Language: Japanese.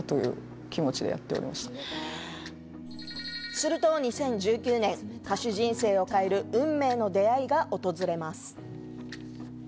すると２０１９年、歌手人生を変える運命の出会いが訪れます。